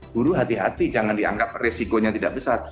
guru hati hati jangan dianggap resikonya tidak besar